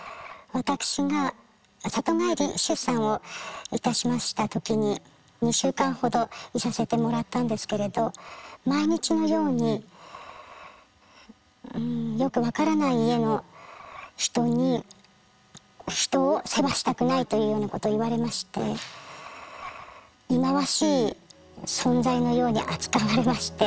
私が里帰り出産をいたしました時に２週間ほどいさせてもらったんですけれど毎日のようにうんよく分からない家の人を世話したくないというようなことを言われましてその他の意地悪は？